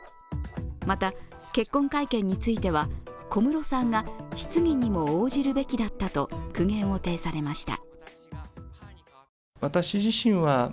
また、結婚会見については小室さんが質疑にも応じるべきだったと苦言を呈されました。